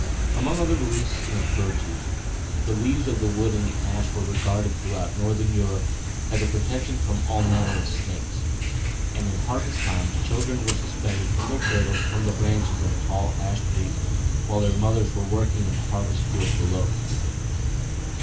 Among other beliefs in its virtues, the leaves and wood of the ash were regarded throughout Northern Europe as a protection from all manner of snakes, and in harvest time children were suspended in their cradles from the branches of tall ash trees while their mothers were working in the harvest field below.